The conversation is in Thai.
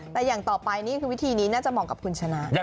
แต่อย่างต่อไปนี่คือวิธีนี้น่าจะเหมาะกับคุณชนะ